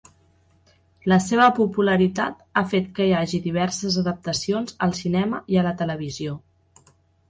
La seva popularitat ha fet que hi hagi diverses adaptacions al cinema i a la televisió.